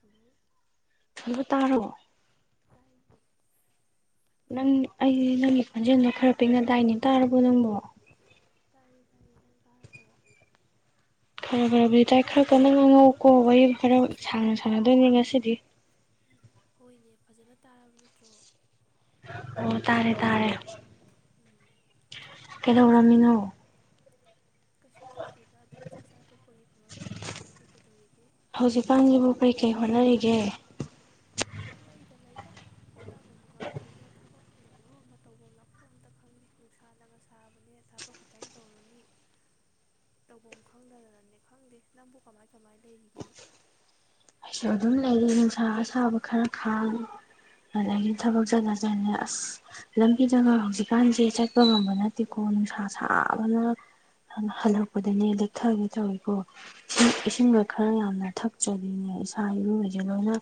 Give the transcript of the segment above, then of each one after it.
hello ꯊꯂ ꯇꯥꯔꯣ ꯇꯥꯏꯌꯦ ꯅꯪ ꯑꯩꯗꯤ ꯅꯪꯒꯤ ꯈꯣꯟꯖꯦꯜꯗꯣ ꯈꯔ ꯄꯤꯅ ꯂꯥꯛꯏꯅꯦ ꯇꯥꯔꯕꯣ ꯅꯪꯕꯣ ꯇꯥꯏꯌꯦ ꯇꯥꯏꯌꯦ ꯅꯪ ꯇꯥꯔꯕꯣ ꯈꯔ ꯈꯔꯕꯨꯗꯤ ꯏꯇꯥꯏ ꯈꯔ ꯀꯟꯅ ꯉꯥꯡꯉꯧꯀꯣ ꯋꯥꯔꯤ ꯈꯔ ꯁꯥꯡꯅ ꯁꯥꯟꯅꯗꯣꯏꯅꯤ ꯉꯁꯤꯗꯤ ꯍꯣꯏꯅꯦ ꯐꯖꯅ ꯇꯥꯔꯕ ꯅꯠꯇ꯭ꯔꯣ ꯑꯣ ꯇꯥꯔꯦ ꯇꯥꯔꯦ ꯎꯝ ꯀꯩꯗꯧꯔꯝꯃꯤꯅꯣ ꯀꯩꯁꯨ ꯇꯧꯗꯣꯏꯦꯗ ꯑꯗꯨꯝ ꯆꯥꯛ ꯆꯥ ꯇꯣꯛꯄꯒꯤ ꯐꯝꯝꯃꯤꯌꯦ ꯅꯪꯗꯤ ꯀꯩꯗꯧꯔꯤꯒꯦ ꯌꯦ ꯄꯥꯉꯩꯗ ꯂꯩꯗ ꯍꯣꯠꯐꯝꯒ ꯀꯩꯅꯣ ꯊꯕꯛꯅ ꯃꯔꯣ ꯑꯃ ꯇꯧꯐꯝ ꯅꯐꯣ ꯑꯝꯇ ꯈꯪꯗꯦ ꯅꯨꯡꯁꯥꯅꯒ ꯁꯥꯕꯅꯦ ꯊꯕꯛ ꯈꯛꯇꯪ ꯇꯧꯔꯨꯅꯤ ꯇꯧꯐꯝ ꯈꯪꯗꯗꯅꯅꯦ ꯈꯪꯗꯦ ꯅꯪꯕꯨ ꯀꯃꯥꯏ ꯀꯃꯥꯏ ꯂꯩꯔꯤꯒꯦ ꯑꯩꯁꯨ ꯑꯗꯨꯝ ꯂꯩꯔꯦ ꯅꯨꯡꯁꯥ ꯑꯁꯥꯕ ꯈꯔ ꯈꯥꯡꯉ ꯑꯗꯒꯤ ꯊꯕꯛ ꯆꯠꯊ ꯆꯅꯤ ꯑꯁ ꯂꯝꯕꯤꯗꯒ ꯍꯧꯖꯤꯛꯀꯥꯟꯁꯦ ꯆꯠꯄ ꯉꯝꯕ ꯅꯠꯇꯦꯀꯣ ꯅꯨꯡꯁꯥ ꯁꯥꯕꯅ ꯍꯜꯂꯛꯄꯗꯅꯦ ꯂꯦꯛꯊꯒꯦ ꯇꯧꯋꯤꯀꯣ ꯏꯁꯤꯡꯒ ꯈꯔ ꯌꯥꯝꯅ ꯊꯛꯆꯔꯤꯅꯦ ꯁꯥ ꯏꯔꯨꯕꯁꯦ ꯂꯣꯏꯅ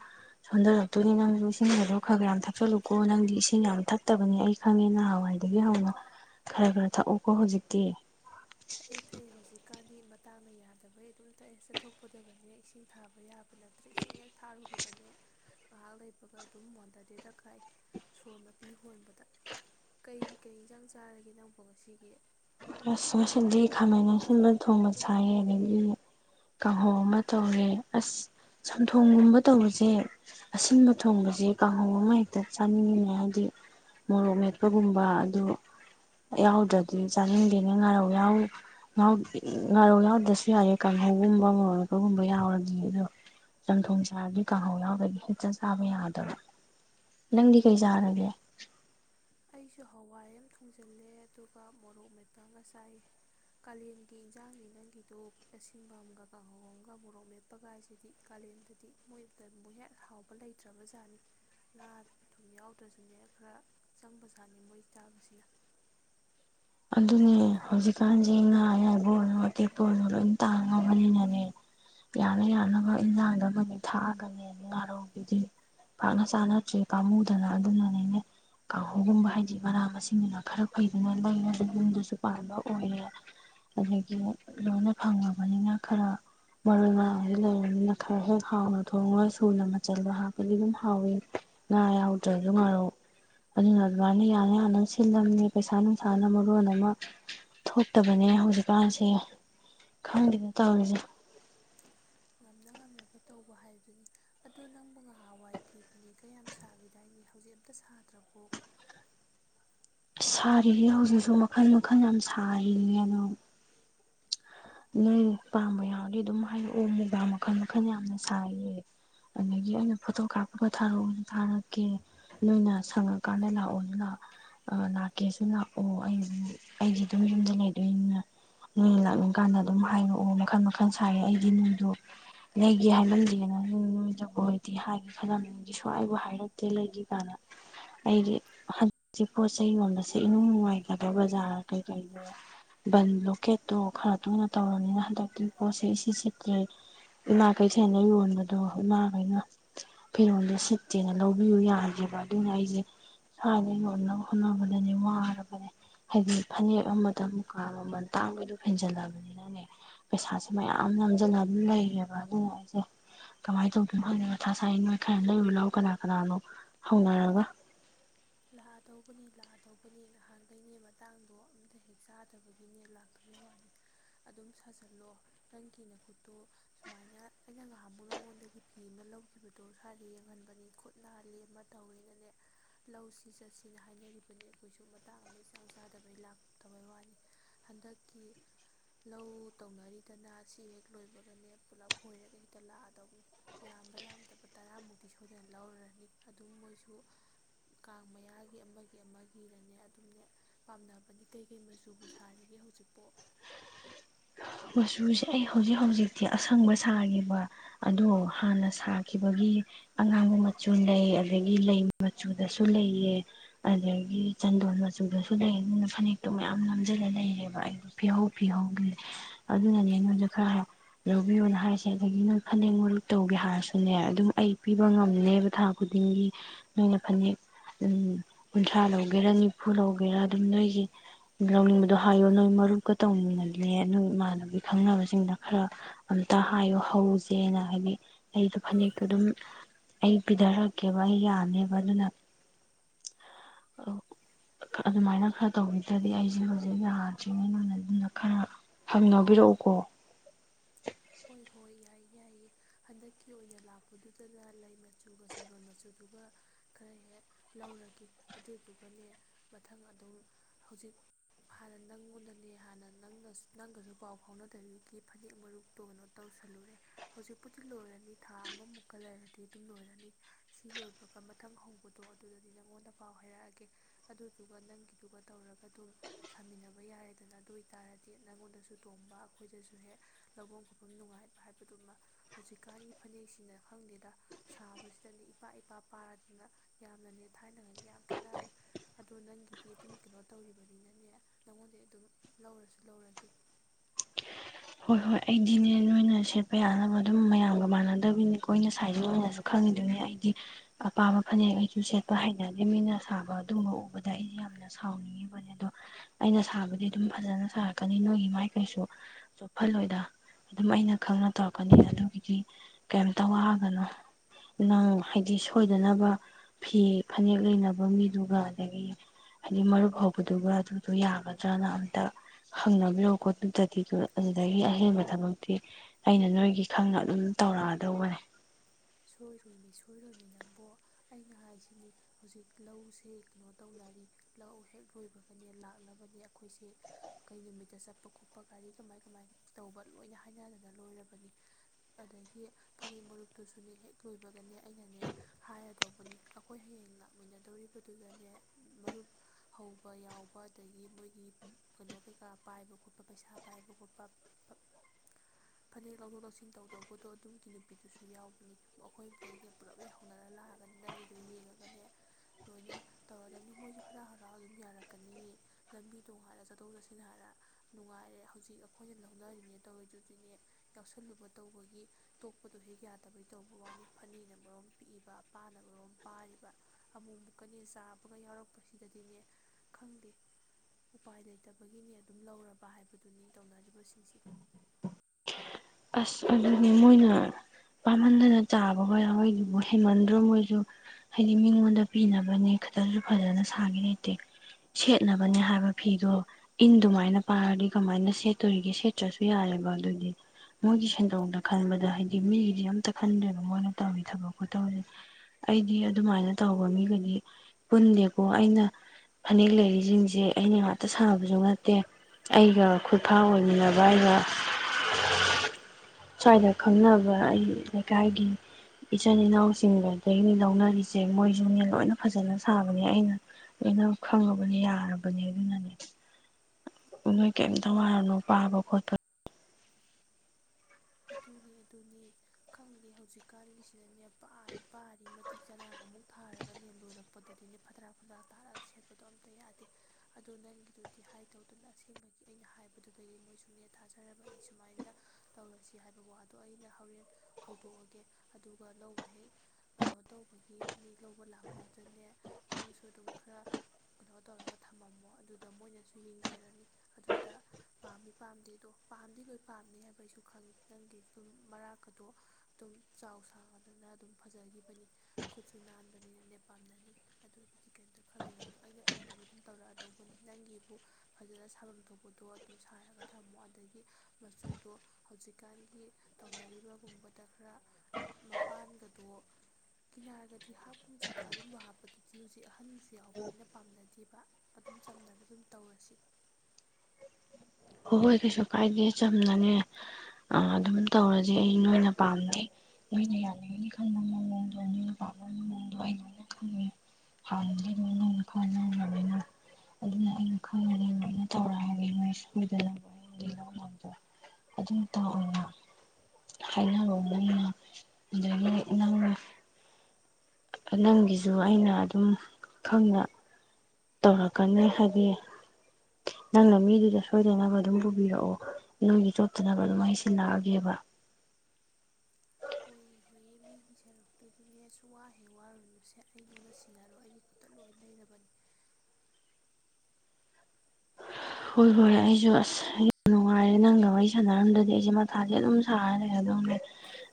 ꯁꯣꯟꯊꯔꯛꯇꯣꯏꯅꯤ ꯅꯪꯁꯨ ꯏꯁꯤꯡꯗꯗꯣ ꯈꯔ ꯈꯔ ꯌꯥꯝ ꯊꯛꯆꯜꯂꯨꯀꯣ ꯅꯪꯗꯤ ꯏꯁꯤꯡ ꯌꯥꯝ ꯊꯛꯇꯕꯅꯦ ꯑꯩ ꯈꯪꯉꯦ ꯅꯍꯥꯟꯋꯥꯏꯗꯒꯤ ꯍꯧꯅ ꯈꯔ ꯈꯔ ꯊꯛꯎꯀꯣ ꯍꯧꯖꯤꯛꯇꯤ ꯊꯛꯑꯦ ꯊꯛꯑꯦ ꯍꯧꯖꯤꯛꯀꯥꯟꯗꯤ ꯇꯥꯡꯅ ꯌꯥꯗꯕꯩ ꯑꯗꯨꯝ ꯇ ꯆꯠꯊꯣꯛꯄꯗꯒꯅꯦ ꯏꯁꯤꯡ ꯊꯥꯕ ꯌꯥꯕ ꯅꯠꯇ꯭ꯔꯦ ꯏꯁꯤꯡ ꯍꯦꯛ ꯊꯥꯔꯨ ꯕꯗꯅꯦ ꯉꯥꯏꯍꯥꯛ ꯂꯩꯕꯒ ꯑꯗꯨꯝ ꯋꯥꯟꯊꯗꯦ ꯗ ꯈꯥꯛꯏ ꯁꯣꯔ ꯃꯥꯄꯤ ꯍꯣꯟꯕꯗ ꯀꯩꯀꯩ ꯏꯟꯖꯥꯡ ꯆꯥꯔꯒꯦ ꯅꯪꯕ ꯉꯁꯤꯒꯤ ꯑꯁ ꯉꯁꯤꯗꯤ ꯈꯥꯃꯦꯟ ꯑꯁꯤꯟꯕ ꯊꯣꯡꯕ ꯁꯥꯏꯑ ꯑꯗꯒꯤ ꯀꯥꯡꯍꯧ ꯑꯃ ꯇꯧꯔꯦ ꯑꯁ ꯁꯝꯊꯣꯡꯒꯨꯝꯕ ꯇꯧꯕꯁꯦ ꯑꯁꯤꯟꯕ ꯊꯣꯡꯕꯁꯦ ꯀꯥꯡꯍꯧ ꯑꯃ ꯍꯦꯛꯇ ꯆꯥꯅꯤꯡꯉꯤꯅꯦ ꯍꯥꯏꯕꯗꯤ ꯃꯣꯔꯣꯛ ꯃꯦꯠꯄꯒꯨꯝꯕ ꯑꯗꯨ ꯌꯥꯎꯗ꯭ꯔꯗꯤ ꯆꯥꯅꯤꯡꯗꯦꯅ ꯉꯥꯔꯧ ꯌꯥ ꯉꯥꯔꯧ ꯌꯥꯎꯗ꯭ꯔꯁꯨ ꯌꯥꯔꯦ ꯀꯥꯡꯍꯧꯒꯨꯝꯕ ꯃꯣꯔꯣꯀꯒꯨꯝꯕ ꯌꯥꯎꯔꯗꯤ ꯑꯗꯣ ꯆꯝꯊꯣꯡ ꯆꯥꯔꯗꯤ ꯀꯥꯡꯍꯧ ꯌꯥꯎꯗꯗꯤ ꯍꯦꯛꯇ ꯆꯥꯕ ꯌꯥꯗꯕ ꯅꯪꯗꯤ ꯀꯩ ꯃꯥꯅꯤꯅꯦ ꯆꯥꯔꯒꯦ ꯃꯥꯅꯤꯅꯦ ꯑꯩꯁꯨ ꯍꯋꯥꯏ ꯑꯃ ꯊꯨꯡꯖꯤꯜꯂꯦ ꯑꯗꯨꯒ ꯃꯣꯔꯣꯛ ꯃꯦꯠꯄꯒ ꯆꯥꯏꯑ ꯀꯥꯂꯦꯟꯒꯤ ꯏꯟꯖꯥꯡꯅꯤ ꯅꯪꯒꯤꯗꯣꯛ ꯑꯁꯤꯟꯐꯝꯒ ꯀꯥꯡꯥꯍꯣꯝꯒ ꯃꯣꯔꯣꯛ ꯃꯦꯠꯄꯒ ꯍꯥꯏꯁꯤꯗꯤ ꯀꯥꯂꯦꯟꯗꯗꯤ ꯃꯣꯏꯗ ꯑꯃꯨꯛ ꯍꯠ ꯍꯥꯎꯕ ꯂꯩꯇ꯭ꯔꯕꯖꯥꯠꯅꯤ ꯉꯥ ꯊꯨꯝ ꯌꯥꯎꯗ꯭ꯔꯁꯨꯅꯦ ꯈꯔ ꯆꯪꯕꯖꯥꯠꯅꯤ ꯃꯣꯏ ꯆꯥꯕꯁꯤꯅ ꯑꯗꯨꯅꯦ ꯍꯧꯖꯤꯛꯀꯥꯟꯁꯦ ꯉꯥ ꯑꯌꯥꯏꯕ ꯑꯣꯏꯔꯣ ꯑꯇꯦꯛꯄ ꯑꯣꯏꯔꯣ ꯂꯣꯏ ꯇꯥꯡꯉꯕꯅꯤꯅꯅꯦ ꯌꯥꯅ ꯌꯥꯅꯕ ꯏꯟꯖꯥꯡꯗꯕꯒꯤ ꯊꯥꯛꯑꯒꯅꯦ ꯉꯥꯔꯧꯒꯤꯗꯤ ꯄꯥꯛꯅ ꯆꯥꯅꯗ꯭ꯔꯦ ꯀꯥꯡꯃꯨꯗꯅ ꯑꯗꯨꯅꯅꯦꯅꯦ ꯀꯥꯡꯍꯨꯒꯨꯝꯕ ꯍꯥꯏꯗꯤ ꯃꯅꯥ ꯃꯁꯤꯡꯗꯨꯅ ꯈꯔ ꯐꯩꯗꯅ ꯂꯩꯔꯅꯤ ꯑꯗꯨ ꯌꯨꯝꯗꯁꯨ ꯄꯥꯟꯕ ꯑꯣꯏꯌꯦ ꯑꯗꯒꯤ ꯂꯣꯏꯅ ꯐꯪꯉꯕꯅꯤꯅ ꯈꯔ ꯃꯔꯣꯏ ꯃꯔꯥꯡꯁꯦ ꯂꯩꯔꯕꯅꯤꯅ ꯈꯔ ꯍꯦꯛ ꯍꯥꯎꯅ ꯊꯣꯡꯉ ꯁꯨꯅ ꯃꯆꯜꯗꯣ ꯍꯥꯞꯄꯗꯤ ꯑꯗꯨꯝ ꯍꯥꯎꯏꯤ ꯉꯥ ꯌꯥꯎꯗ꯭ꯔꯁꯨ ꯉꯔꯧ ꯑꯗꯨꯅ ꯑꯗꯨꯃꯥꯏꯅ ꯌꯥꯅ ꯌꯥꯅ ꯁꯤꯜꯂꯝꯃꯤ ꯄꯩꯁꯥ ꯅꯨꯡꯁꯥꯅ ꯃꯔ ꯂꯣꯟ ꯑꯃ ꯊꯣꯛꯇꯕꯅꯦ ꯍꯧꯖꯤꯛꯀꯥꯟꯁꯦ ꯈꯪꯗꯦꯅ ꯇꯧꯔꯤꯁꯦ ꯉꯝꯅ ꯉꯝꯅꯕ ꯇꯧꯕ ꯍꯥꯏꯕꯗꯨꯅꯤ ꯑꯗꯨꯗ ꯅꯪꯕꯨ ꯉꯍꯥꯟꯋꯥꯏ ꯄꯤꯕꯅꯦ ꯀꯌꯥꯝ ꯁꯥꯈꯤꯗꯏꯅꯤ ꯍꯧꯖꯤꯛ ꯑꯝꯇ ꯁꯥꯗ꯭ꯔꯕꯣ ꯁꯥꯔꯤꯁ ꯍꯧꯖꯤꯛꯁꯨ ꯃꯈꯜ ꯃꯈꯜ ꯌꯥꯝ ꯁꯥꯔꯤꯌꯦ ꯑꯗꯣ ꯅꯣꯏ ꯄꯥꯝꯕ ꯌꯥꯎꯔꯗꯤ ꯑꯗꯨꯝ ꯍꯥꯏꯔꯛꯑꯣ ꯃꯣꯕꯥꯏꯜ ꯃꯈꯜ ꯃꯈꯜ ꯌꯥꯝꯅ ꯁꯥꯏꯌꯦ ꯑꯗꯒꯤ ꯑꯩꯅ ꯐꯣꯇꯣ ꯀꯥꯞꯄꯒ ꯊꯥꯔꯛꯑꯣꯁꯨ ꯊꯥꯔꯛꯀꯦ ꯅꯣꯏꯅ ꯁꯪꯉꯀꯥꯟꯗ ꯂꯥꯛꯑꯣ ꯑꯗꯨꯅ ꯂꯥꯛꯀꯦꯁꯨ ꯂꯥꯛꯑꯣ ꯑꯩ ꯑꯩꯗꯤ ꯑꯗꯨꯝ ꯌꯨꯝꯗ ꯂꯩꯗꯣꯏꯅꯤꯅ ꯅꯣꯏꯅ ꯂꯥꯛꯅꯤꯡ ꯀꯥꯟꯗ ꯑꯗꯨꯝ ꯍꯥꯏꯔꯛꯑꯣ ꯃꯈꯜ ꯃꯈꯜ ꯁꯥꯏꯌꯦ ꯑꯩꯗꯤ ꯅꯣꯏꯗꯣ ꯂꯩꯒꯦ ꯍꯥꯏꯔꯝꯗꯦꯅ ꯅꯣꯏꯗꯕꯨ ꯑꯣꯏꯔꯗꯤ ꯍꯥꯏꯒꯦ ꯈꯜꯂꯝꯒꯤ ꯁ꯭ꯋꯥꯏꯕꯨ ꯍꯥꯏꯔꯛꯇꯦ ꯂꯩꯈꯤ ꯀꯥꯟꯅ ꯑꯩꯒꯤ ꯍꯧꯖꯤꯛꯇꯤ ꯄꯣꯠ ꯆꯩ ꯌꯣꯟꯕꯁꯦ ꯏꯅꯨꯡ ꯅꯨꯡꯉꯥꯏꯒꯗꯕ ꯕꯖꯥꯔ ꯀꯩꯀꯩꯗꯣ ꯕꯟ ꯕ꯭ꯂꯣꯀꯦꯠꯇꯣ ꯈꯔ ꯑꯗꯨꯅ ꯇꯧꯔꯕꯅꯤꯅ ꯍꯟꯗꯛꯇꯤ ꯄꯣꯠꯁꯦ ꯏ ꯁꯤꯠꯇ꯭ꯔꯦ ꯏꯃꯥꯈꯩꯊꯦꯜꯅ ꯌꯣꯟꯕꯗꯣ ꯏꯃꯥꯈꯩꯅ ꯐꯤꯔꯣꯜꯗꯣ ꯁꯤꯠꯇꯦꯅ ꯂꯧꯕꯤꯌꯨ ꯌꯥꯗꯦꯕ ꯑꯗꯨꯅ ꯑꯩꯁꯦ ꯁꯨꯋꯥꯏꯗ ꯌꯣꯟꯅꯕ ꯍꯣꯠꯅꯕꯗꯅꯦ ꯋꯥꯔꯕꯅꯦ ꯍꯥꯏꯗꯤ ꯐꯅꯦꯛ ꯑꯃꯗ ꯃꯨꯀꯥ ꯃꯃꯜ ꯇꯥꯡꯕꯩꯗꯣ ꯍꯦꯟꯖꯜꯂꯕꯅꯤ ꯅꯤꯅꯅꯦ ꯄꯩꯁꯥꯁꯦ ꯃꯌꯥꯝ ꯅꯝꯁꯤꯜꯂ ꯑꯗꯨꯝ ꯂꯩꯌꯦꯕ ꯑꯗꯨꯅ ꯑꯩꯁꯦ ꯀꯃꯥꯏꯅ ꯇꯧꯗꯣꯏꯅꯣ ꯍꯥꯏꯪꯗ ꯃ ꯊ ꯁꯥꯏ ꯅꯣꯏ ꯈꯔ ꯂꯩꯔꯨ ꯂꯥꯛꯥꯎ ꯀꯅꯥ ꯀꯅꯥꯅꯣ ꯍꯧꯅꯔꯒ ꯂꯥꯛꯑꯗꯧꯕꯅꯦ ꯂꯥꯛꯑꯗꯧꯕꯅꯦ ꯉꯍꯥꯟꯈꯩꯅꯦ ꯃꯇꯥꯡꯗꯣ ꯑꯝꯇ ꯍꯦꯛ ꯆꯥꯗꯕꯒꯤꯅꯦ ꯂꯥꯛꯇꯕꯒꯤ ꯋꯥꯅꯤ ꯑꯗꯨꯝ ꯁꯥꯖꯜꯂꯣ ꯅꯪꯒꯤ ꯅ ꯈꯨꯨꯠꯇꯨ ꯁꯨꯃꯥꯏꯅ ꯑꯩꯅ ꯉꯥꯏꯍꯥꯛꯃꯨꯛ ꯅꯪꯉꯣꯟꯗꯒꯤ ꯐꯤ ꯑꯃ ꯂꯧꯈꯤꯕꯗꯣ ꯁ꯭ꯋꯥꯏꯗ ꯌꯦꯡꯍꯟꯕꯅꯤ ꯈꯨꯠ ꯂꯦꯝꯃ ꯇꯧꯋꯦꯅꯅꯦ ꯂꯧꯁꯤ ꯆꯠꯁꯤꯅ ꯍꯥꯏꯅꯔꯤꯕꯅꯤ ꯑꯩꯈꯣꯏꯁꯨ ꯃꯇꯥꯡ ꯑꯃ ꯆꯥꯡ ꯆꯥꯗꯕꯩ ꯂꯥꯛꯇꯕꯩ ꯋꯥꯅꯤ ꯍꯟꯗꯛꯀꯤ ꯂꯧ ꯇꯧꯅꯔꯤꯗꯅ ꯁꯤ ꯍꯦꯛ ꯂꯣꯏꯕꯒꯅꯦ ꯄꯨꯂꯞ ꯍꯣꯏꯔꯒ ꯍꯦꯛꯇ ꯂꯥꯛꯑꯗꯧꯅꯤ ꯌꯥꯝꯕ ꯌꯥꯝꯗꯕ ꯇꯔꯥꯃꯨꯛꯇꯤ ꯁꯣꯏꯗꯅ ꯂꯧꯔꯅꯤ ꯑꯗꯨꯝ ꯃꯣꯏꯁꯨ ꯀꯥꯡ ꯃꯌꯥꯒꯤ ꯑꯃꯒꯤ ꯑꯃꯒꯤꯅꯅꯦ ꯑꯗꯨꯝꯅꯦ ꯄꯥꯝꯅꯕꯅꯤ ꯀꯩ ꯀꯩ ꯃꯆꯨꯕꯨ ꯁꯥꯔꯤꯒꯦ ꯍꯧꯖꯤꯛꯄꯥꯎ ꯃꯆꯨꯁꯦ ꯑꯩ ꯍꯧꯖꯤꯛ ꯍꯧꯖꯤꯛꯇꯤ ꯑꯁꯪꯕ ꯁꯥꯈꯤꯕ ꯑꯗꯣ ꯍꯥꯟꯅ ꯁꯥꯈꯤꯕꯒꯤ ꯑꯉꯥꯡꯕ ꯃꯆꯨ ꯂꯩ ꯑꯗꯒꯤ ꯂꯩ ꯃꯆꯨꯗꯁꯨ ꯂꯩꯑ ꯑꯗꯒꯤ ꯆꯟꯗꯣꯟ ꯃꯆꯨꯗꯁꯨ ꯂꯩ ꯑꯗꯨꯅ ꯐꯅꯦꯛꯇꯣ ꯃꯌꯥꯝ ꯅꯝꯖꯂ ꯂꯩꯔꯦꯕ ꯑꯩꯗꯣ ꯐꯤꯍꯧ ꯐꯤꯍꯧꯒꯤ ꯑꯗꯨꯅꯅꯦ ꯅꯣꯏꯗ ꯈꯔ ꯂꯧꯕꯤꯌꯣꯅ ꯍꯥꯏꯁꯦ ꯑꯗꯒꯤ ꯅꯣꯏ ꯐꯅꯦꯛ ꯃꯔꯨꯞ ꯇꯧꯒꯦ ꯍꯥꯏꯔꯁꯨꯅꯦ ꯑꯗꯨꯝ ꯑꯩ ꯄꯤꯕ ꯉꯝꯅꯦꯕ ꯊꯥ ꯈꯨꯗꯤꯡꯒꯤ ꯅꯣꯏꯅ ꯐꯅꯦꯛ ꯀꯨꯟꯊ꯭ꯔꯥ ꯂꯧꯒꯦꯔꯥ ꯅꯤꯐꯨ ꯂꯧꯒꯦꯔꯥ ꯑꯗꯨꯝ ꯅꯣꯏꯒꯤ ꯂꯧꯅꯤꯡꯕꯗꯣ ꯍꯥꯏꯌꯣ ꯅꯣꯏ ꯃꯔꯨꯞꯀ ꯇꯧꯅꯤꯡꯉꯅꯦ ꯅꯣꯏ ꯏꯃꯥꯅ ꯍꯥꯏ ꯈꯪꯅꯕꯁꯤꯡꯗ ꯈꯔ ꯑꯝꯇ ꯍꯥꯏꯌꯣ ꯍꯧꯁꯦꯅ ꯍꯥꯏꯗꯤ ꯑꯩꯗꯣ ꯐꯅꯦꯛꯇꯣ ꯑꯗꯨꯝ ꯑꯩ ꯄꯤꯊꯔꯛꯀꯦꯕ ꯑꯩ ꯌꯥꯅꯦꯕ ꯑꯗꯨꯅ ꯑꯗꯨꯃꯥꯏꯅ ꯈꯔ ꯇꯧꯕꯤꯗ꯭ꯔꯗꯤ ꯑꯩꯁꯦ ꯍꯧꯖꯤꯛ ꯌꯥꯗ꯭ꯔꯤꯉꯩꯩꯅꯗ ꯑꯗꯨꯅ ꯈꯔ ꯐꯪꯅꯕꯤꯔꯛꯎꯀꯣ ꯍꯣꯏ ꯍꯣꯏ ꯌꯥꯏꯌꯦ ꯌꯥꯏꯌꯦ ꯍꯟꯗꯛꯀꯤ ꯑꯣꯏꯅ ꯂꯥꯛꯄꯗꯨꯗꯅ ꯂꯩ ꯃꯆꯨꯒ ꯆꯟꯗꯣꯣꯟ ꯃꯆꯨꯗꯨꯒ ꯈꯔ ꯍꯦꯛ ꯂꯧꯔꯒꯦ ꯑꯗꯨꯗꯨꯒꯅꯦ ꯃꯊꯪ ꯑꯗꯨꯝ ꯍꯧꯖꯤꯛ ꯍꯥꯟꯅ ꯅꯪꯉꯣꯟꯗꯅꯦ ꯍꯥꯟꯅ ꯅ ꯅꯪꯒꯁꯨ ꯄꯥꯎ ꯐꯥꯎꯅꯗꯔꯤꯒꯤ ꯐꯅꯦꯛ ꯃꯔꯨꯞ ꯀꯩꯅꯣ ꯇꯧꯁꯜꯂꯨꯔꯦ ꯍꯧꯖꯤꯛꯄꯨꯗꯤ ꯂꯣꯏꯔꯅꯤ ꯊꯥ ꯑꯃꯃꯨꯛꯀ ꯂꯩꯔꯗꯤ ꯑꯗꯨꯝ ꯂꯣꯏꯔꯅꯤ ꯁꯤ ꯂꯣꯏꯕꯒ ꯃꯊꯪ ꯍꯧꯕꯗꯣ ꯑꯗꯨꯗꯗꯤ ꯅꯪꯉꯣꯟꯗ ꯄꯥꯎ ꯍꯥꯏꯔꯛꯑꯒꯦ ꯑꯗꯨꯗꯨꯒ ꯅꯪꯒꯤꯗꯨꯒ ꯇꯧꯔꯒ ꯑꯗꯨꯝ ꯁꯥꯃꯤꯟꯅꯕ ꯌꯥꯔꯦꯗꯅ ꯑꯗꯨ ꯑꯣꯏꯇꯥꯔꯗꯤ ꯅꯪꯉꯣꯟꯗꯁꯨ ꯇꯣꯡꯕ ꯑꯩꯈꯣꯏꯗꯁꯨ ꯍꯦꯛ ꯂꯧꯐꯝ ꯈꯨꯐꯝ ꯅꯨꯡꯉꯥꯏꯕ ꯍꯥꯏꯕꯗꯨꯃ ꯍꯧꯖꯤꯛꯀꯥꯟꯒꯤ ꯐꯅꯦꯛꯁꯤꯅ ꯈꯪꯗꯦꯗ ꯁꯥꯕꯁꯤꯗꯅꯦ ꯏꯄꯥ ꯏꯄꯥ ꯄꯥꯔꯗꯅ ꯌꯥꯝꯅꯅꯦ ꯊꯥꯏꯅꯉꯅꯤ ꯌꯥꯝ ꯈꯦꯠꯅꯔꯦ ꯑꯗꯣ ꯅꯪꯒꯤꯗꯤ ꯑꯗꯨꯝ ꯀꯩꯅꯣ ꯇꯧꯔꯤꯕꯅꯤꯅꯅꯦ ꯅꯉꯣꯟꯗꯩ ꯑꯗꯨꯝ ꯂꯧꯔꯁꯨ ꯂꯧꯔꯒꯦ ꯍꯣꯏ ꯍꯣꯏ ꯑꯩꯗꯤꯅꯦ ꯅꯣꯏꯅ ꯁꯦꯠꯄ ꯌꯥꯅꯕ ꯑꯗꯨꯝ ꯃꯌꯥꯝꯒ ꯃꯥꯟꯅꯗꯕꯤꯅꯤ ꯀꯣꯏꯅ ꯁꯥꯏꯖ ꯑꯣꯏꯅꯁꯨ ꯈꯪꯉꯤꯗꯨꯅꯦ ꯑꯩꯗꯤ ꯑꯄꯥꯕ ꯐꯅꯦꯛ ꯑꯩꯁꯨ ꯁꯦꯠꯄ ꯍꯩꯅꯗꯦ ꯃꯤꯅ ꯁꯥꯕ ꯑꯗꯨꯝꯕ ꯎꯕꯗ ꯑꯩꯁꯦ ꯌꯥꯝꯅ ꯁꯥꯎꯅꯤꯡꯉꯤꯕꯅꯦ ꯑꯗꯣ ꯑꯩꯅ ꯁꯥꯕꯗꯤ ꯑꯗꯨꯝ ꯐꯖꯅ ꯁꯥꯔꯛꯀꯅꯤ ꯅꯣꯏꯒꯤ ꯃꯥꯏꯀꯩꯁꯨ ꯍꯜꯂꯣꯏꯗ ꯑꯗꯨꯝ ꯑꯩꯅ ꯈꯪꯅ ꯇꯧꯔꯛꯀꯅꯤ ꯑꯗꯨꯒꯤꯗꯤ ꯀꯩꯝꯇ ꯋꯥꯒꯅꯣ ꯅꯪ ꯍꯥꯏꯗꯤ ꯁꯣꯏꯗꯅꯕ ꯐꯤ ꯐꯅꯦꯛ ꯂꯩꯅꯕ ꯃꯤꯗꯨꯒ ꯑꯗꯒꯤ ꯍꯥꯏꯗꯤ ꯃꯔꯨꯞ ꯍꯧꯕꯗꯨꯒ ꯑꯗꯨꯗꯣ ꯌꯥꯒꯗ꯭ꯔꯅ ꯑꯝꯇ ꯍꯪꯅꯕꯤꯔꯛ ꯈꯣꯨꯗꯗꯤꯗꯨ ꯑꯗꯨꯗꯒꯤ ꯑꯍꯦꯟꯕ ꯊꯕꯛꯇꯤ ꯑꯩꯅ ꯅꯣꯏꯒꯤ ꯈꯪꯅ ꯑꯗꯨꯝ ꯇꯧꯔꯛꯑꯗꯧꯕꯅꯦ ꯁꯣꯏꯔꯣꯏꯃꯤ ꯁꯣꯏꯔꯣꯏꯃꯤ ꯅꯪꯕꯨꯣ ꯑꯩꯅ ꯍꯥꯏꯁꯤꯅꯤ ꯍꯧꯖꯤꯛ ꯂꯧꯁꯦ ꯀꯩꯅꯣ ꯇꯧꯅꯔꯤ ꯂꯧ ꯍꯦꯛ ꯂꯣꯏꯕꯒꯅꯦ ꯂꯥꯛꯂꯅꯕꯅꯦ ꯑꯩꯈꯣꯏꯁꯦ ꯀꯩ ꯅꯨꯃꯤꯠꯇ ꯆꯠꯄ ꯈꯣꯠꯄ ꯒꯥꯔꯤ ꯀꯃꯥꯏ ꯀꯃꯥꯏ ꯇꯧꯕ ꯂꯣꯏꯅ ꯍꯥꯏꯅꯗꯅ ꯂꯣꯏꯔꯕꯅꯤ ꯑꯗꯒꯤ ꯐꯅꯦꯛ ꯃꯔꯨꯞ ꯑꯗꯨꯨꯁꯨꯅꯦ ꯍꯦꯛ ꯂꯣꯏꯕꯒꯅꯦ ꯑꯩꯅꯅꯦ ꯍꯥꯏꯔꯗꯧꯕꯅꯤ ꯑꯩꯈꯣꯏ ꯍꯌꯦꯡ ꯂꯥꯛꯃꯤꯟꯅꯗꯧꯔꯤꯕꯗꯨꯗꯅꯦ ꯃꯔꯨꯞ ꯍꯧꯕ ꯌꯥꯎꯕ ꯑꯗꯒꯤ ꯃꯣꯏꯒꯤ ꯀꯩꯅꯣ ꯀꯩꯀꯥ ꯄꯥꯏꯕ ꯈꯣꯠꯄ ꯄꯩꯁꯥ ꯄꯥꯏꯕ ꯈꯣꯠꯄ ꯐꯅꯦꯛ ꯂꯧꯊꯣꯛ ꯂꯧꯁꯤꯟ ꯇꯧꯗꯧꯕꯗꯣ ꯑꯗꯨꯝꯒꯤ ꯅꯨꯄꯤꯗꯨꯁꯨ ꯌꯥꯎꯕꯅꯤ ꯑꯩꯈꯣꯏ ꯀꯩꯗꯤ ꯄꯨꯂꯞ ꯍꯦꯛ ꯍꯧꯅꯔ ꯂꯥꯛꯑꯒꯅꯤ ꯅꯪꯒꯤꯗꯨ ꯌꯦꯡꯉꯒꯅꯦ ꯂꯣꯏꯅ ꯇꯧꯔꯗꯕꯅꯤ ꯃꯣꯏꯁꯨ ꯍꯔꯥꯎ ꯍꯔꯥꯎ ꯑꯗꯨꯝ ꯌꯥꯔꯛꯀꯅꯤꯌꯦ ꯂꯝꯕꯤ ꯇꯣꯡꯉꯥꯟꯅ ꯆꯠꯊꯣꯛ ꯆꯠꯁꯤꯟ ꯍꯥꯏꯔ ꯅꯨꯡꯉꯥꯏꯔꯦ ꯍꯧꯖꯤꯛ ꯑꯩꯈꯣꯏꯅ ꯂꯧꯅꯔꯤꯅꯦ ꯇꯧꯔꯤꯗꯨꯗꯤꯅꯦ ꯌꯥꯎꯁꯜꯂꯨꯕ ꯇꯧꯕꯒꯤ ꯇꯣꯛꯄꯗꯣ ꯍꯦꯛ ꯌꯥꯗꯕꯩ ꯇꯧꯕ ꯋꯥꯅꯤ ꯐꯅꯩꯅ ꯃꯔꯣꯝ ꯄꯤꯛꯏꯕ ꯑꯄꯥꯅꯕ ꯃꯔꯣꯝ ꯄꯥꯔꯤꯕ ꯑꯃꯨꯛ ꯃꯨꯛꯀꯅꯦ ꯆꯥꯕꯒ ꯌꯥꯎꯔꯛꯄꯁꯤꯗꯗꯤꯅꯦ ꯈꯪꯗꯦ ꯎꯄꯥꯏ ꯂꯩꯇꯕꯒꯤꯅꯦ ꯑꯗꯨꯝ ꯂꯧꯔꯕ ꯍꯥꯏꯕꯗꯨꯅꯤ ꯇꯧꯅꯔꯤꯕꯁꯤꯡꯁꯤ ꯑꯁ ꯑꯗꯨꯅꯦ ꯃꯣꯏꯅ ꯄꯥꯝꯍꯟꯗꯅ ꯆꯥꯕꯒ ꯌꯥꯎꯋꯦꯗꯨꯕꯨ ꯍꯦꯃꯟꯗ꯭ꯔꯣ ꯃꯣꯏꯁꯨ ꯍꯥꯏꯗꯤ ꯃꯤꯉꯣꯟꯗ ꯄꯤꯅꯕꯅꯦ ꯈꯤꯇꯁꯨ ꯐꯖꯅ ꯁꯥꯈꯤ ꯂꯩꯇꯦ ꯁꯦꯠꯅꯕꯅꯦ ꯍꯥꯏꯕ ꯐꯤꯗꯣ ꯏꯟ ꯑꯗꯨꯃꯥꯏꯅ ꯄꯥꯔꯗꯤ ꯀꯃꯥꯏꯅ ꯁꯦꯠꯇꯣꯔꯤꯒꯦ ꯁꯦꯠꯇ꯭ꯔꯁꯨ ꯌꯥꯔꯦꯕ ꯑꯗꯨꯗꯤ ꯃꯣꯏꯒꯤ ꯁꯦꯟꯗꯣꯡꯗ ꯈꯟꯕꯗ ꯍꯥꯏꯗꯤ ꯃꯤꯒꯤꯗꯤ ꯑꯝꯇ ꯈꯟꯗ꯭ꯔꯦꯗ ꯃꯣꯏꯅ ꯇꯧꯔꯤ ꯊꯕꯛ ꯈꯣꯠꯇꯕꯁꯦ ꯑꯩꯗꯤ ꯑꯗꯨꯃꯥꯏꯅ ꯇꯧꯕ ꯃꯤꯒꯗꯤ ꯄꯨꯟꯗꯦꯀꯣ ꯑꯩꯅ ꯐꯅꯦꯛ ꯂꯩꯔꯤꯁꯤꯡꯁꯦ ꯑꯩꯅ ꯉꯥꯛꯇ ꯁꯅꯕꯁꯨ ꯅꯠꯇꯦ ꯑꯩꯒ ꯈꯨꯠꯐꯥ ꯑꯣꯏꯃꯤꯟꯅꯕ ꯑꯩꯒ ꯁ꯭ꯋꯥꯏꯗ ꯈꯪꯅꯕ ꯑꯩ ꯂꯩꯀꯥꯏꯒꯤ ꯏꯆꯤꯟ ꯏꯅꯥꯎꯁꯤꯡꯒꯗꯒꯤꯅꯤ ꯂꯧꯅꯔꯤꯁꯦ ꯃꯣꯏꯁꯨꯅꯦ ꯂꯣꯏꯅ ꯐꯖꯅ ꯁꯥꯕꯅꯦ ꯑꯩꯅ ꯂꯣꯏꯅ ꯈꯪꯉꯕꯅꯦ ꯌꯥꯔꯕꯅꯦ ꯑꯗꯨꯅꯅꯦ ꯅꯣꯏ ꯑꯗꯨ ꯀꯩꯝꯇꯉꯥꯏꯔꯅꯣ ꯄꯥꯕ ꯈꯣꯠꯄ ꯑꯗꯨꯅꯦ ꯑꯗꯨꯅꯤ ꯈꯪꯗꯦ ꯍꯧꯖꯤꯛꯀꯥꯟꯒꯤꯁꯤꯅꯅꯦ ꯄꯥꯔꯤ ꯃꯇꯤꯛ ꯆꯔꯥꯡꯒ ꯑꯃꯨꯛ ꯊꯥꯔꯒꯅꯦ ꯂꯣꯏꯔꯛꯄꯗꯗꯤꯅꯦ ꯐꯗ꯭ꯔꯥꯛ ꯐꯗ꯭ꯔꯥꯛ ꯊꯥꯔꯒ ꯁꯦꯠꯄꯗꯣ ꯑꯝꯇ ꯌꯥꯗꯦ ꯑꯗꯨ ꯅꯪꯒꯤꯗꯨꯗꯤ ꯍꯥꯏ ꯇꯧꯗꯅ ꯑꯁꯦꯡꯕꯒꯤ ꯑꯩꯅ ꯍꯥꯏꯕꯗꯨꯗꯒꯤ ꯃꯣꯏꯁꯨꯅꯦ ꯊꯥꯖꯔꯕꯅꯤ ꯁꯨꯃꯥꯏꯅ ꯇꯧꯔꯁꯤ ꯍꯥꯏꯕ ꯋꯥꯗꯣ ꯑꯩꯅ ꯍꯣꯔꯦꯟ ꯍꯧꯗꯣꯛꯑꯒꯦ ꯑꯗꯨꯒ ꯂꯧꯕ ꯍꯦꯛ ꯀꯩꯅꯣ ꯇꯧꯕꯒꯤ ꯐꯅꯦꯛ ꯂꯧꯕ ꯂꯥꯛꯄꯗꯨꯗꯅꯦ ꯅꯪꯁꯨ ꯑꯗꯨꯝ ꯈꯔ ꯀꯩꯅꯣ ꯇꯧꯔꯒ ꯊꯝꯃꯝꯃꯣ ꯑꯗꯨꯗ ꯃꯣꯏꯅꯁꯨ ꯌꯦꯡꯖꯔꯅꯤ ꯑꯗꯨꯗ ꯄꯥꯝꯃꯤ ꯄꯥꯝꯗꯦ ꯑꯗꯣ ꯄꯥꯝꯗꯤ ꯂꯣꯏ ꯄꯥꯝꯅꯤ ꯍꯥꯏꯕ ꯑꯩꯁꯨ ꯈꯪꯉꯤ ꯅꯪꯒꯤ ꯑꯗꯨꯝ ꯃꯔꯥꯛꯀꯗꯣ ꯑꯗꯨꯝ ꯆꯥꯎ ꯁꯥꯡꯗꯅ ꯑꯗꯨꯝ ꯐꯖꯈꯤꯕꯅꯤ ꯈꯨꯠꯁꯨ ꯅꯥꯟꯕꯅꯤꯅꯅꯦꯦ ꯄꯥꯝꯅꯅꯤ ꯑꯗꯨꯒꯤ ꯀ ꯀꯝꯇ ꯈꯜꯂꯨꯔꯅꯨ ꯑꯩꯅ ꯐꯅꯕ ꯑꯗꯨꯝ ꯇꯧꯔꯛꯑꯗꯧꯕꯅꯤ ꯅꯪꯒꯤꯕꯨ ꯐꯖꯅ ꯁꯥꯐꯝ ꯊꯣꯛꯄꯗꯣ ꯑꯗꯨꯝ ꯁꯥꯔꯒ ꯊꯝꯃꯣ ꯑꯗꯒꯤ ꯃꯆꯨꯗꯣ ꯍꯧꯖꯤꯛ ꯏꯖꯤꯀꯥꯟꯒꯤ ꯇꯧꯅꯔꯤꯕꯒꯨꯝꯕꯗ ꯈꯔ ꯃꯄꯥꯟꯒꯗꯣ ꯀꯤꯅ ꯍꯥꯏꯔꯒꯗꯤ ꯍꯥꯞꯀꯨꯝꯁꯤꯗ ꯑꯗꯨꯝꯕ ꯍꯥꯞꯄꯗꯨꯗꯤ ꯍꯧꯖꯤꯛ ꯑꯍꯟꯁꯨ ꯌꯥꯎꯕꯅꯤꯅ ꯄꯥꯝꯅꯗꯦꯕ ꯑꯗꯨꯝ ꯆꯝꯅꯅ ꯑꯗꯨꯝ ꯇꯧꯔꯁꯤ ꯍꯣꯏ ꯍꯣꯏ ꯀꯩꯁꯨ ꯀꯥꯏꯗꯦ ꯆꯝꯅꯅꯦ ꯑꯗꯨꯝ ꯇꯧꯔꯗꯤ ꯑꯩ ꯅꯣꯏꯅ ꯄꯥꯝꯅꯩ ꯅꯣꯏꯅ ꯌꯥꯅꯤꯡꯉꯅꯤ ꯈꯟꯕ ꯃꯑꯣꯡꯗꯣ ꯅꯣꯏꯅ ꯄꯥꯝꯕꯩ ꯃꯑꯣꯡꯗꯣ ꯑꯩ ꯂꯣꯏꯅ ꯈꯪꯉꯦ ꯍꯥꯟꯅꯗꯤ ꯑꯗꯨ ꯅꯣꯏꯅ ꯈꯪꯉꯅꯤꯅ ꯑꯗꯨꯅ ꯑꯩꯅ ꯈꯪꯉꯗꯤ ꯂꯣꯏꯅ ꯇꯧꯔꯛꯑꯅꯤ ꯅꯣꯏꯁꯨ ꯑꯣꯏꯗꯅꯕꯅꯥꯗꯣ ꯑꯗꯨꯝꯇ ꯑꯣꯏꯅ ꯍꯥꯏꯅꯕ ꯃꯤꯅ ꯑꯗꯒꯤ ꯅꯪꯅ ꯅꯪꯒꯤꯁꯨ ꯑꯩꯅ ꯑꯗꯨꯝ ꯈꯪꯅ ꯇꯧꯔꯛꯀꯅꯤ ꯍꯥꯏꯗꯤ ꯅꯪꯅ ꯃꯤꯗꯨꯗ ꯁꯣꯏꯗꯅꯕ ꯑꯗꯨꯝ ꯄꯨꯕꯤꯔꯛꯑꯣ ꯏꯣꯏꯒꯤ ꯆꯣꯇꯅꯕ ꯑꯗꯨꯝ ꯍꯩꯁꯤꯜꯂꯛꯑꯒꯦꯕ ꯍꯣꯏꯑ ꯍꯣꯏꯌꯦ ꯃꯤꯒꯤ ꯁꯦꯔꯨꯛꯇꯨꯗꯨꯅꯦꯁꯨ ꯋꯥꯍꯦ ꯋꯥꯔꯨꯅꯨꯁꯦ ꯑꯩꯉꯣꯟꯗ ꯁꯤꯟꯅꯔꯣ ꯑꯩꯒꯤ ꯈꯨꯠꯇ ꯂꯣꯏ ꯂꯩꯔꯕꯅꯤ ꯍꯣꯏ ꯍꯣꯏ ꯑꯩꯁꯨ ꯑꯁ ꯌꯥꯝ ꯅꯨꯡꯉꯥꯏꯔꯦ ꯅꯪꯒ ꯋꯥꯔꯤ ꯁꯥꯟꯅꯔꯝꯗꯗꯤ ꯑꯩꯁꯦ ꯃꯊꯥꯁꯦ ꯑꯗꯨꯝ ꯁꯥꯔ ꯂꯩꯒꯗꯧꯅꯦ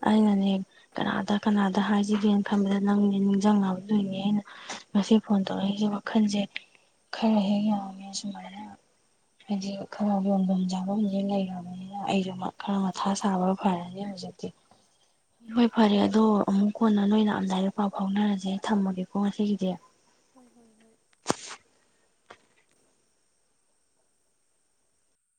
ꯑꯩꯅꯅꯦ ꯀꯅꯥꯗ ꯀꯅꯥꯗ ꯍꯥꯏꯖꯒꯦꯅ ꯈꯟꯕꯗ ꯅꯪꯅꯦ ꯅꯤꯡꯁꯤꯡꯉꯗꯣꯏꯅꯦ ꯑꯩꯅ ꯉꯁꯤ ꯐꯣꯟ ꯇꯧꯔꯛꯏꯁꯦ ꯋꯥꯈꯜꯁꯦ ꯈꯔ ꯍꯦꯛ ꯌꯥꯡꯉꯦ ꯁꯨꯃꯥꯏꯅ ꯍꯥꯏꯗꯤ ꯈꯔ ꯌꯣꯟꯐꯝ ꯆꯥꯐꯝꯁ ꯂꯩꯔꯕꯅꯤꯅ ꯑꯩꯁꯨ ꯈꯔ ꯃꯊꯥ ꯁꯥꯕꯒ ꯐꯔꯅꯤ ꯍꯧꯖꯤꯛꯇꯤ ꯍꯣꯏ ꯐꯔꯦ ꯑꯗꯣ ꯑꯃꯨꯛ ꯀꯣꯟꯅ ꯅꯣꯏꯅ ꯑꯝꯗꯥꯏꯗ ꯄꯥꯎ ꯐꯥꯎꯅꯔꯁꯦ ꯊꯝꯃꯒꯦꯀꯣ ꯉꯁꯤꯒꯤꯗꯤ ꯍꯣꯏ ꯍꯣꯏ ꯍꯣꯏ